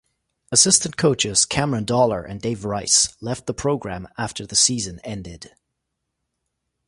Assistant coaches Cameron Dollar and Dave Rice left the program after the season ended.